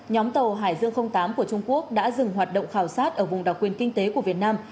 nhóm tàu hải dương tám của trung quốc đã dừng hoạt động khảo sát ở vùng đặc quyền kinh tế của việt nam